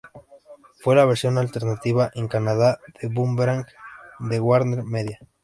Fue la versión alternativa en Canadá de Boomerang de WarnerMedia.